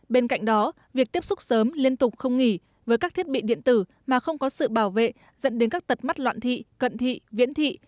bên cạnh đó việc tiếp xúc sớm liên tục không nghỉ với các thiết bị điện tử mà không có sự bảo vệ dẫn đến các tật mắt loạn thị cận thị viễn thị